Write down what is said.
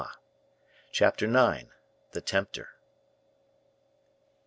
Chapter IX. The Tempter.